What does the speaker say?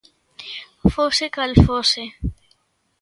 Fose cal fose.